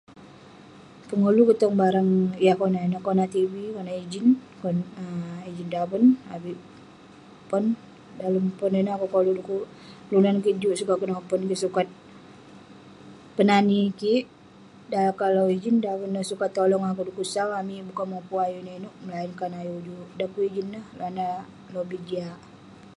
Pengoluk kik tong barang yah konak ineh ; konak tv, konak ijin, um ijin daven avik pon. Dalem Pon ineh koluk kik dekuk kelunan kik juk sukat kenopon kik, sukat penani kik. Dan kalau ijin daven neh sukat tolong akouk. Dekuk sau amik yeng sukat mopuk ayuk inouk inouk melainkan ayuk ujuk. Dan pun ijin ineh, ineh lobih jiak.